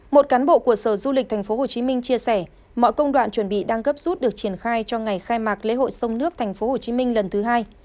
một cán bộ của sở du lịch tp hcm chia sẻ mọi công đoạn chuẩn bị đang gấp rút được triển khai cho ngày khai mạc lễ hội sông nước tp hcm lần thứ hai